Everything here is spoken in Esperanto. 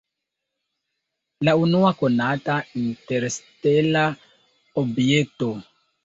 La unua konata interstela objekto!